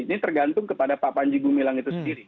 ini tergantung kepada pak panji gumilang itu sendiri